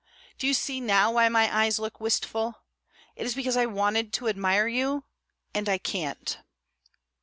Do you see now why my eyes look wistful? It is because I wanted to admire you, and I can't."